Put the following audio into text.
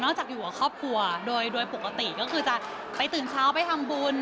จากอยู่กับครอบครัวโดยปกติก็คือจะไปตื่นเช้าไปทำบุญ